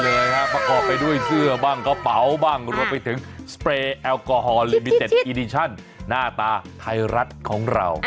เลยครับประกอบไปด้วยเสื้อบ้างกระเป๋าบ้างรวมไปถึงสเปรย์แอลกอฮอลลิมิเต็ดอีดิชั่นหน้าตาไทยรัฐของเรา